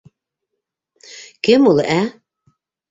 Кем ул, ә?